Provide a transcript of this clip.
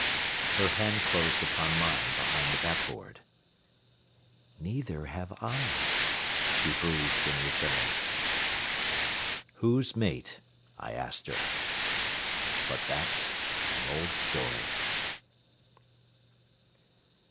Her hand closed upon mine behind the backboard. "Neither have I," she breathed in return. "Whose mate?" I asked her. But that's an old story.